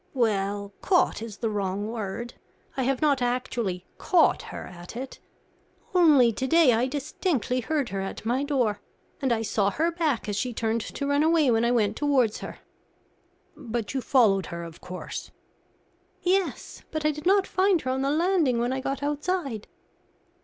"Well, caught is the wrong word. I have not actually caught her at it. Only to day I distinctly heard her at my door, and I saw her back as she turned to run away, when I went towards her." "But you followed her, of course?" "Yes, but I did not find her on the landing when I got outside."